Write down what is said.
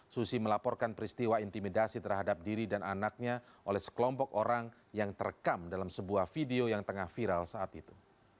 susi melaporkan peristiwa intimidasi terhadap diri dan anaknya oleh sekelompok orang yang terekam dalam sebuah video yang tengah viral saat itu